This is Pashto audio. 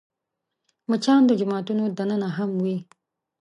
مچان د جوماتونو دننه هم وي